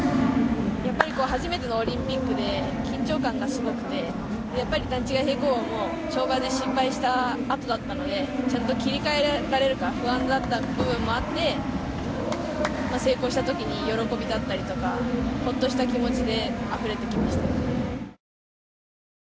やっぱり初めてのオリンピックで緊張感がすごくてやっぱり段違い平行棒も跳馬で失敗したあとだったのでちゃんと切り替えられるか不安だった部分もあって成功した時に喜びだったりとかほっとした気持ちであふれてきました。